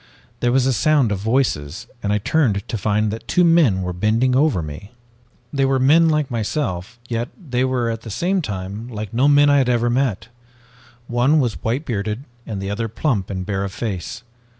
"There was a sound of voices, and I turned to find that two men were bending over me. They were men like myself, yet they were at the same time like no men I had ever met! One was white bearded and the other plump and bare of face.